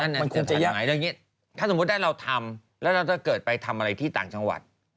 มันคงจะยังไงถ้าสมมุติว่าเราทำแล้วเราจะเกิดไปทำอะไรที่ต่างจังหวัด